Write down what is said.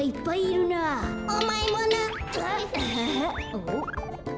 おっ？